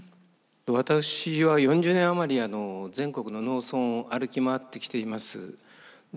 私は４０年余り全国の農村を歩き回ってきています。